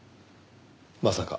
まさか。